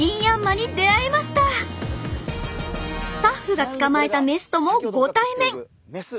スタッフがつかまえたメスともご対面メス。